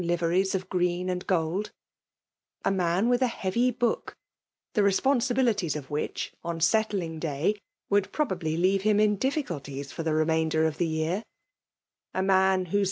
liveries of green android ; a nan with a beMf book, the responsibiUties of which^ <m setiMag day, would probably leave him in diffievlties for the remainder of the year; a man whoie